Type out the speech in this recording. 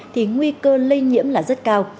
thì nguy cơ lây nhiễm là rất cao